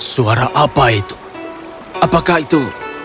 suara apa itu apakah itu